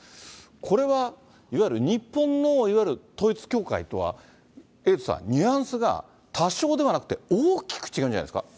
これは、いわゆる日本のいわゆる統一教会とは、エイトさん、ニュアンスが多少ではなくて大きく違うんじゃないですか。